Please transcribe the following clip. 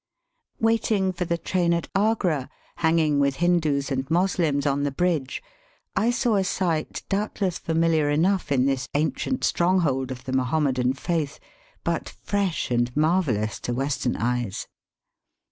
Waiting for the train at Agra, hanging with Hindoos and Moslems on the bridge, I saw a sight doubtless familiar enough in this ancient stronghold of the Mahomedan faith^ but fresh and marvellous to Western eyes.